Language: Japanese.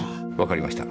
わかりました。